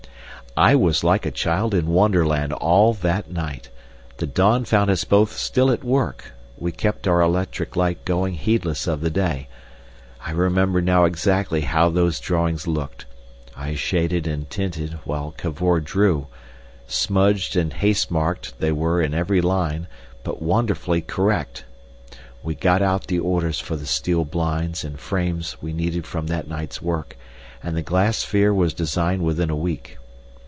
I was like a child in Wonderland all that night. The dawn found us both still at work—we kept our electric light going heedless of the day. I remember now exactly how these drawings looked. I shaded and tinted while Cavor drew—smudged and haste marked they were in every line, but wonderfully correct. We got out the orders for the steel blinds and frames we needed from that night's work, and the glass sphere was designed within a week.